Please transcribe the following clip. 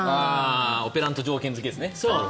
オペラント条件付けね。